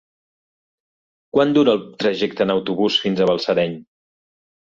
Quant dura el trajecte en autobús fins a Balsareny?